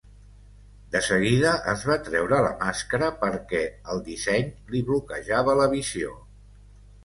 De seguida es va treure la màscara perquè el disseny li bloquejava la visió.